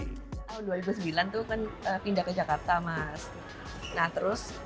tahun dua ribu sembilan itu kan pindah ke jakarta mas